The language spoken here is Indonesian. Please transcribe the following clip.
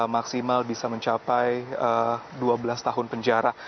maksimal bisa mencapai dua belas tahun penjara